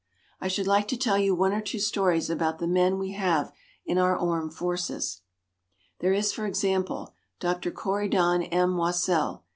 I should like to tell you one or two stories about the men we have in our armed forces: There is, for example, Dr. Corydon M. Wassell.